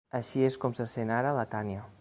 Així és com se sent ara la Tània.